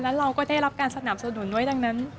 แล้วเราก็ได้รับการสนับสนุนด้วยดังนั้น